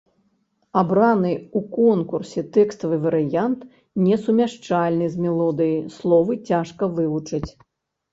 Абраны ў конкурсе тэкставы варыянт несумяшчальны з мелодыяй, словы цяжка вывучыць.